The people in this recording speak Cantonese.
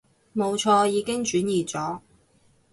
冇錯，已經轉移咗